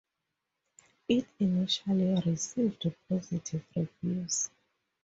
It initially received positive reviews.